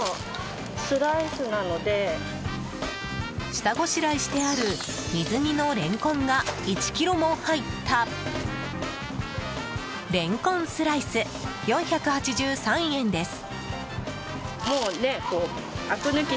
下ごしらえしてある水煮のれんこんが１ｋｇも入ったれんこんスライス、４８３円です。